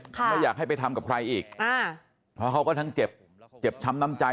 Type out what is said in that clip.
แล้วอยากให้ไปทำกับใครอีกเพราะเขาก็ทั้งเจ็บช้ำน้ำใจ